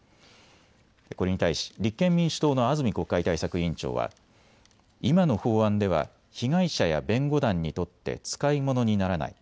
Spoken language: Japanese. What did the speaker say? これに対し立憲民主党の安住国会対策委員長は今の法案では被害者や弁護団にとって使い物にならない。